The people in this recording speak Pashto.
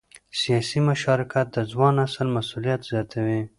سیاسي مشارکت د ځوان نسل مسؤلیت زیاتوي